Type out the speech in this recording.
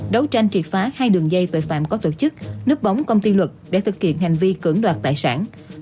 đấu tranh triệt phá hai đường dây tội phạm có tổ chức nấp bóng công ty luật để thực hiện hành vi cưỡng đoạt tài sản